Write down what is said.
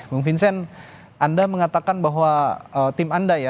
bung vincent anda mengatakan bahwa tim anda ya